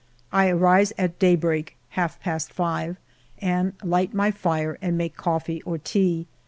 I rise at daybreak (half past ^vt) and light my fire and make coffee or tea.